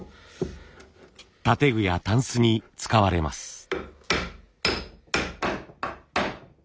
建具やタンスに使われます。